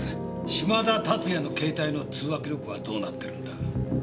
嶋田龍哉の携帯の通話記録はどうなってるんだ？